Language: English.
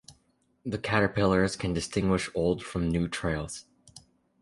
The caterpillars can distinguish old from new trails.